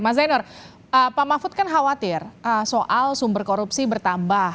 mas zainur pak mahfud kan khawatir soal sumber korupsi bertambah